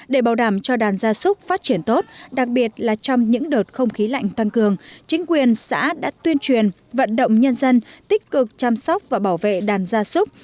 để bảo đảm cho đàn gia súc phát triển tốt đặc biệt là trong những đợt không khí lạnh tăng cường chính quyền xã đã tuyên truyền vận động nhân dân tích cực chăm sóc và bảo vệ đàn gia súc